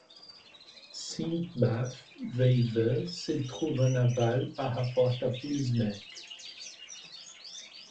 Sint-Baafs-Vijve se trouve en aval par rapport à Wielsbeke.